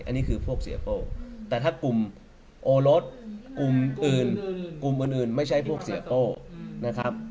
อันนี้คือพวกเสียโป้แต่ถ้ากลุ่มโอรสกลุ่มอื่นกลุ่มอื่นไม่ใช่พวกเสียโป้นะครับ